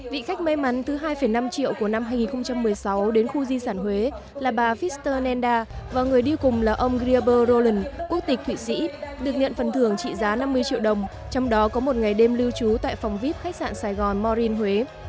vị khách may mắn thứ hai năm triệu của năm hai nghìn một mươi sáu đến khu di sản huế là bà fister nenda và người đi cùng là ông riber rolan quốc tịch thụy sĩ được nhận phần thưởng trị giá năm mươi triệu đồng trong đó có một ngày đêm lưu trú tại phòng vip khách sạn sài gòn morin huế